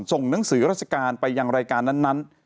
ส่งหนังสือราชการไปยังรายการนั้น